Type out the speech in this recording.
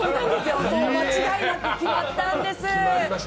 間違いなく決まったんです。